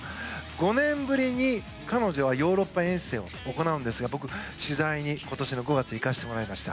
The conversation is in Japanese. ５年ぶりに彼女はヨーロッパ遠征を行うんですが僕、取材に今年の５月に行かせてもらいました。